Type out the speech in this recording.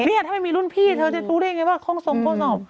นี่ถ้าไม่มีรุ่นพี่เธอจะรู้ได้อย่างไรว่าคล้องทรงคล้องสอบ